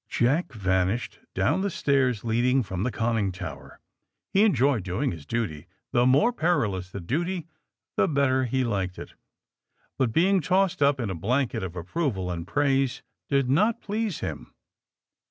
Jack vanished down the stairs leading from the conning tower. He enjoyed doing his duty ; the more perilous the duty, the better he liked it. But being tossed up in a blanket of approval and praise did not please him.